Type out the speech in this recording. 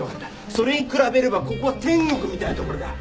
それに比べればここは天国みたいな所だ！